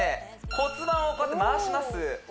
骨盤をこうやって回します